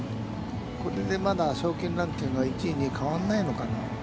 これでまだ賞金ランキングの１位２位は変わらないのかな。